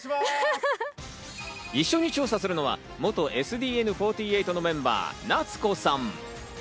一緒に調査するのは元ＳＤＮ４８のメンバー・奈津子さん。